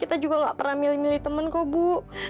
kita juga gak pernah milih milih temen kau bu